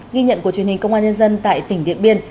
ghi nhận của truyền hình công an nhân dân tại tỉnh điện biên